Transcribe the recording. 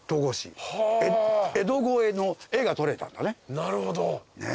なるほど。